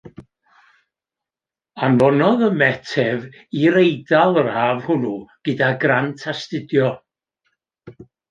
Anfonodd y Met ef i'r Eidal yr haf hwnnw gyda grant astudio.